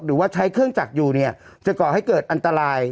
หรือว่าใช้เครื่องจักรอยู่เนี่ยจะก่อให้เกิดอันตราย